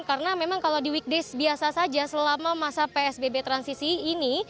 karena memang kalau di weekdays biasa saja selama masa psbb transisi ini